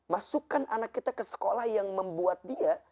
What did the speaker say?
masukkan anak kita ke sekolah yang membuat dia